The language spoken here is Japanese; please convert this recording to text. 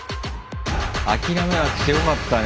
諦めなくてよかったね